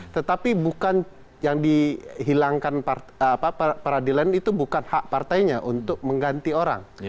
tetapi bukan yang dihilangkan peradilan itu bukan hak partainya untuk mengganti orang